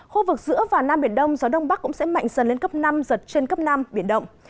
khu vực giữa và nam biển đông gió đông bắc cũng sẽ mạnh dần lên cấp năm giật trên cấp năm biển động